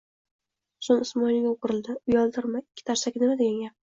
So'ng Ismoilga o'girildi: Uyaltirma, ikki tarsaki nima degan gap?